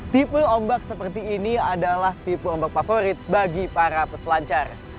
tipe ombak seperti ini adalah tipe ombak favorit bagi para peselancar